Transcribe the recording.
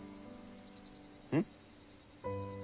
うん？